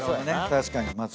確かに。